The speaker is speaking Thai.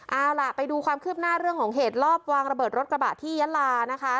เอาล่ะไปดูความคืบหน้าเรื่องของเหตุรอบวางระเบิดรถกระบะที่ยะลานะคะ